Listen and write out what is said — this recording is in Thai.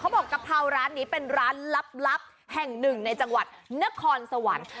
บอกกะเพราร้านนี้เป็นร้านลับแห่งหนึ่งในจังหวัดนครสวรรค์